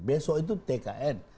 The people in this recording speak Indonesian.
besok itu tkn